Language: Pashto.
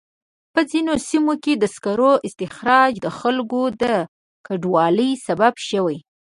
په ځینو سیمو کې د سکرو استخراج د خلکو د کډوالۍ سبب شوی.